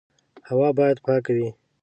هوا باید پاکه وي.